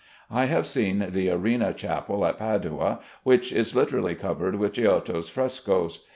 I have seen the Arena Chapel at Padua, which is literally covered with Giotto's frescoes.